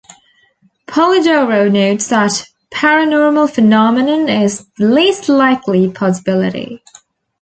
Polidoro notes that Paranormal phenomenon is the least likely possibility.